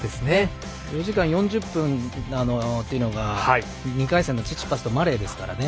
４時間４０分というのが２回戦のチチパスとマレーですからね。